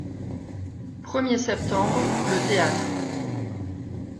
premier septembre., Le Théâtre.